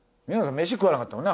メシ食わなかったもんね